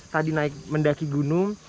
tadi naik mendaki gunung